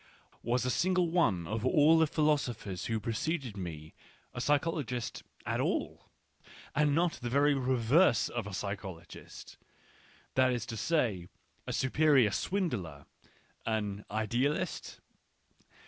Was a single one of the philosophers who preceded me a psychologist at all, and not the very reverse of a psychologist — that is to say, a " superior swindler," an " Idealist